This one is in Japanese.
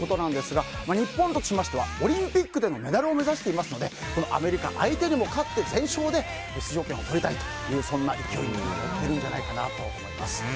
日本としましてはオリンピックでメダルを目指しておりますのでアメリカ相手でも勝って全勝で出場権をとりたいというそんな勢いに乗っているんじゃないかと思います。